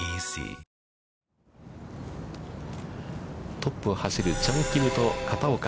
トップを走るチャン・キムと片岡。